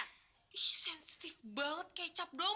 ih sensitif banget kecap dong